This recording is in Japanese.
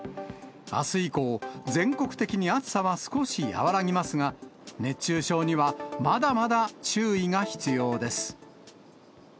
あす以降、全国的に暑さは少し和らぎますが、熱中症にはまだまだ注意が必要です。